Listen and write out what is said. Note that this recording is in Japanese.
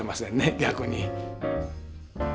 逆に。